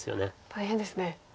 大変ですね。